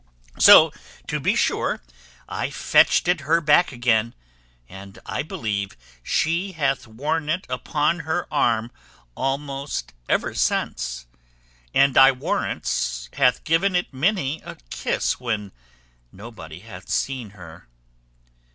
So to be sure I fetched it her back again, and, I believe, she hath worn it upon her arm almost ever since, and I warrants hath given it many a kiss when nobody hath seen her."